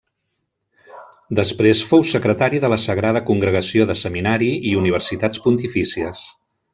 Després fou secretari de la Sagrada Congregació de Seminari i Universitats Pontifícies.